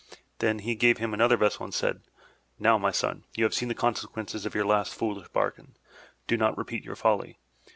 Then he gave him another vessel and said: '*Now, my son, you have seen the consequences of your last foolish bargain. Do not repeat your folly.